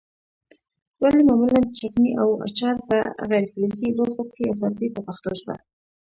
ولې معمولا چکني او اچار په غیر فلزي لوښو کې ساتي په پښتو ژبه.